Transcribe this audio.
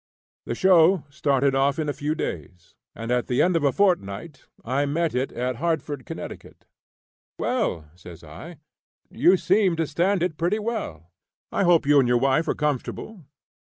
The "show" started off in a few days, and at the end of a fortnight I met it at Hartford, Connecticut. "Well," says I, "Adams, you seem to stand it pretty well. I hope you and your wife are comfortable?"